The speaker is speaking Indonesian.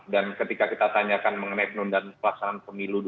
dan ketika kita tanyakan mengenai penundaan pelaksanaan pemilu dua ribu dua puluh empat